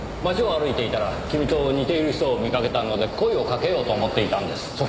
街を歩いていたら君と似ている人を見かけたので声をかけようと思っていたんです。